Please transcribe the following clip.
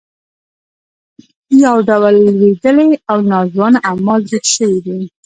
یو ډول لوېدلي او ناځوانه اعمال دود شوي دي.